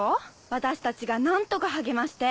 私たちが何とか励まして。